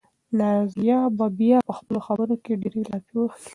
نازیه به بیا په خپلو خبرو کې ډېرې لافې وهي.